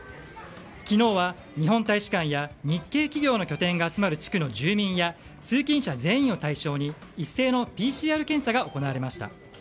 昨日は日本大使館や日系企業の拠点が集まる地区の住民や通勤者全員を対象に一斉のＰＣＲ検査が行われました。